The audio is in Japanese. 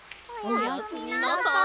おやすみなさい。